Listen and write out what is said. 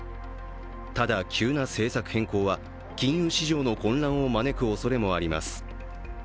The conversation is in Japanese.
ただ、急な政策変更は金融市場の混乱を招くおそれもあります。